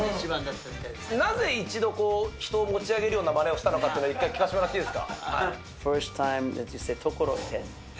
なぜ一度、人を持ち上げるようなまねをしたのかっていうのを、一回、聞かせてもらっていいですか？